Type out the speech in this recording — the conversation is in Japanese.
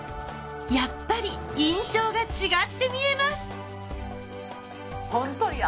やっぱり印象が違って見えます。